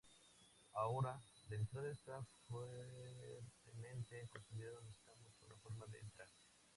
Ahora, la entrada está fuertemente custodiada. Necesitamos una forma de entrar.